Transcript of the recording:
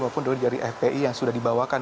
maupun dari fpi yang sudah dibawakan